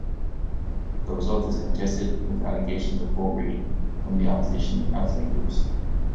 The result is contested, with allegations of vote-rigging from the opposition and outside groups.